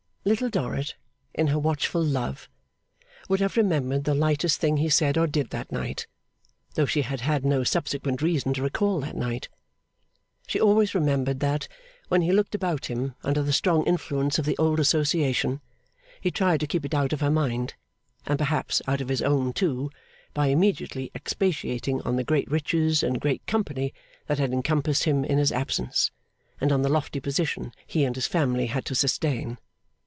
Little Dorrit, in her watchful love, would have remembered the lightest thing he said or did that night, though she had had no subsequent reason to recall that night. She always remembered that, when he looked about him under the strong influence of the old association, he tried to keep it out of her mind, and perhaps out of his own too, by immediately expatiating on the great riches and great company that had encompassed him in his absence, and on the lofty position he and his family had to sustain.